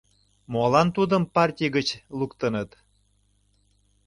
Молан тудым партий гыч луктыныт?